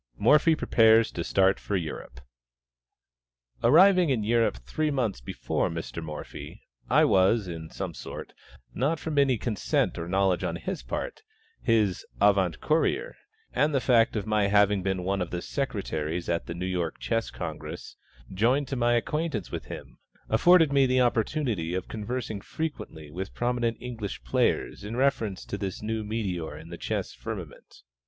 MORPHY PREPARES TO START FOR EUROPE. Arriving in Europe three months before Mr. Morphy, I was in some sort, not from any consent or knowledge on his part, his avant courier; and the fact of my having been one of the Secretaries at the New York Chess Congress, joined to my acquaintance with him, afforded me the opportunity of conversing frequently with prominent English players in reference to this new meteor in the chess firmament.